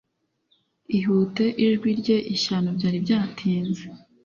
ihute ijwi rye ishyano! byari byatinze! ..